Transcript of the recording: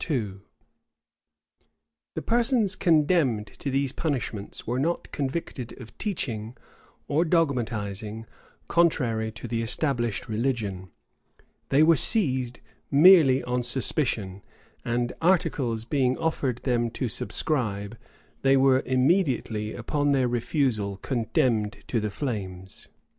[*] The persons condemned to these punishments were not convicted of teaching, or dogmatizing, contrary to the established religion: they were seized merely on suspicion; and articles being offered them to subscribe, they were immediately, upon their refusal, condemned to the flames.